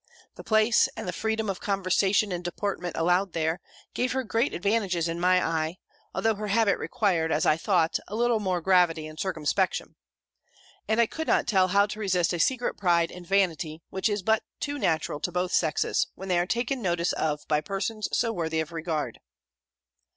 The place, and the freedom of conversation and deportment allowed there, gave her great advantages in my eye, although her habit required, as I thought, a little more gravity and circumspection: and I could not tell how to resist a secret pride and vanity, which is but too natural to both sexes, when they are taken notice of by persons so worthy of regard.